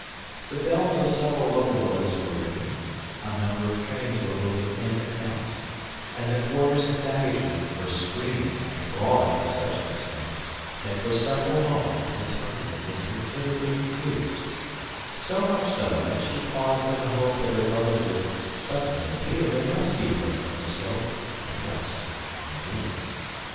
The bells of several locomotives were ringing, a number of trains were moving in and out, and the porters and baggage men were screaming and bawling to such an extent that for several moments Miss Huntingdon was considerably confused; so much so that she paused in the hope that her brother would suddenly appear and rescue her from the smoke, and dust, and din.